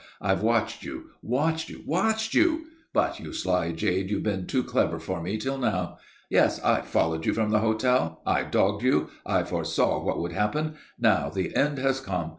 I've watched you, watched you, watched you! But, you sly jade, you've been too clever for me till now. Yes; I followed you from the hotel. I dogged you. I foresaw what would happen. Now the end has come.